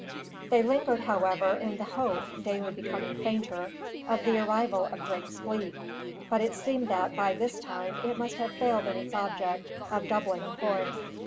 They lingered, however, in the hope, daily becoming fainter, of the arrival of Drake's fleet; but it seemed that, by this time, it must have failed in its object of doubling the Horn.